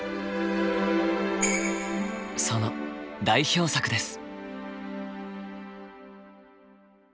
その代表作です。